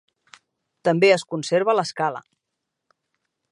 També es conserva l'escala.